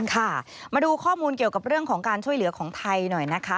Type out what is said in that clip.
ค่ะมาดูข้อมูลเกี่ยวกับเรื่องของการช่วยเหลือของไทยหน่อยนะคะ